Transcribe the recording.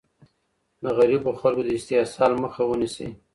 د غریبو خلګو د استحصال مخه ونیسئ.